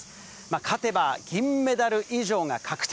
勝てば銀メダル以上が確定。